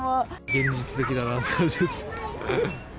現実的だなって感じです。